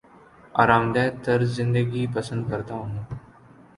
آرام دہ طرز زندگی پسند کرتا ہوں